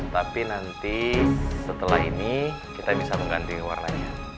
tapi nanti setelah ini kita bisa mengganti warnanya